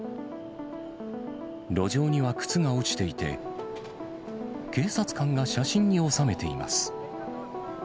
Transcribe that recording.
路上には靴が落ちていて、警察官が写真に収めています。